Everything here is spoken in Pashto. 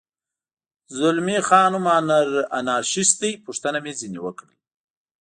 زلمی خان هم انارشیست دی، پوښتنه مې ځنې وکړل.